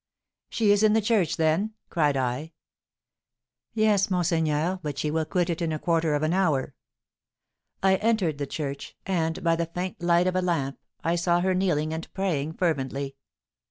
"She is in the church, then?" cried I. "Yes, monseigneur, but she will quit it in a quarter of an hour." I entered the church, and, by the faint light of a lamp, I saw her kneeling and praying fervently.